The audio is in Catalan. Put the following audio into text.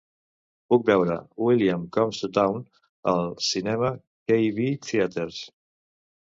Puc veure "William Comes to Town" al cinema KB Theatres